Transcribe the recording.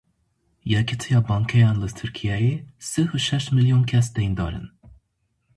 Yekîtiya Bankeyan Li Tirkiyeyê sih û şeş milyon kes deyndar in.